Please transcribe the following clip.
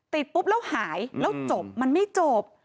ติดปุ๊บแล้วหายแล้วจบมันไม่จบ